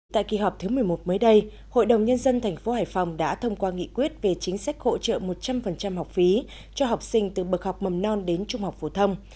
tại kỳ họp thứ một mươi một mới đây hội đồng nhân dân tp hải phòng đã thông qua nghị quyết về chính sách hỗ trợ một trăm linh học phí cho học sinh từ bậc học mầm non đến trung học phổ thông